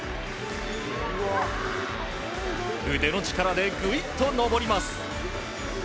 腕の力で、グイっと登ります。